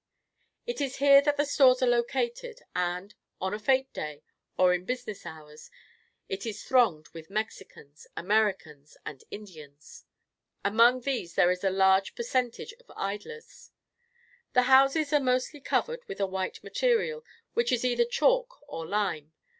It is here that the stores are located; and, on a fête day, or in business hours, it is thronged with Mexicans, Americans, and Indians. Among these there is a large per centage of idlers. The houses are mostly covered with a white material, which is either chalk or lime.